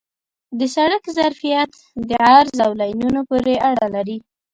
د سړک ظرفیت د عرض او لینونو پورې اړه لري